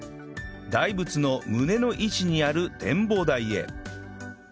大仏の胸の位置にある展望台へ